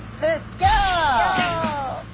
ギョー！